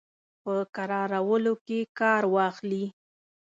په کرارولو کې کار واخلي.